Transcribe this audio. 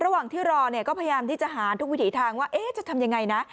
ระหว่างที่รอเนี่ยก็พยายามที่จะหาทุกวิถีทางว่าจะทำยังไงนะ